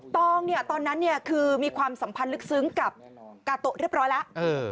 ตองเนี่ยตอนนั้นคือมีความสัมพันธ์ลึกซึ้งกับกาโตะเรียบร้อยแล้ว